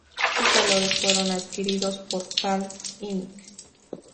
Sus valores fueron adquiridos por Palm, Inc.